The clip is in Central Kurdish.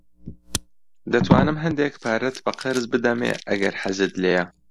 دەتوانم هەندێک پارەت بە قەرز بدەمێ ئەگەر حەزت لێیە.